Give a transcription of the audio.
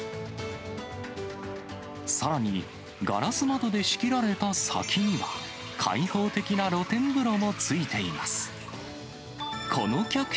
さらに、ガラス窓で仕切られた先には、開放的な露天風呂も付いています。